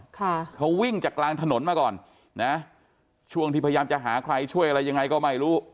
ค่ะเขาวิ่งจากกลางถนนมาก่อนนะช่วงที่พยายามจะหาใครช่วยอะไรยังไงก็ไม่รู้